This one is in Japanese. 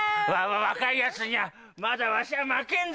若いヤツにはまだわしゃ負けんぞ！